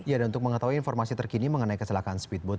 ya dan untuk mengetahui informasi terkini mengenai kecelakaan speedboat